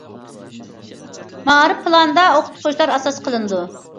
مائارىپ پىلانىدا ئوقۇتقۇچىلار ئاساس قىلىنىدۇ.